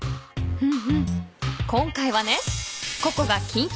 うん。